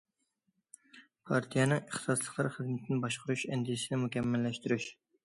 پارتىيەنىڭ ئىختىساسلىقلار خىزمىتىنى باشقۇرۇش ئەندىزىسىنى مۇكەممەللەشتۈرۈش.